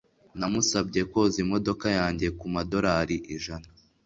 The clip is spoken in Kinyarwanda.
Namusabye koza imodoka yanjye kumadorari ijana.